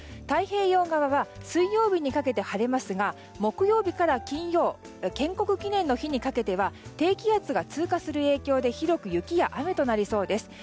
太平洋側は水曜日にかけて晴れますが木曜日から金曜建国記念の日にかけては低気圧が通過する影響で広く雪や雨となりそうです。